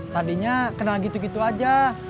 tadinya kenal gitu gitu aja